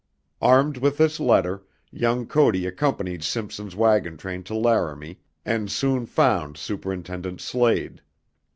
Armed with this letter, young Cody accompanied Simpson's wagon train to Laramie, and soon found Superintendent Slade.